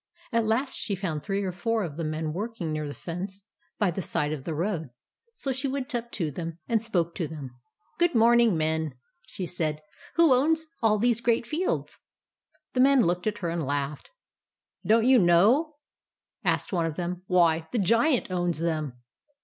At last she found three or four of the men working near the fence by the side of the road, so she went up to them and spoke to them. " Good morning, men," she said. " Who owns all these great fields ?" The men looked at her and laughed. " Don't you know ?" asked one of them. " Why, the Giant owns them."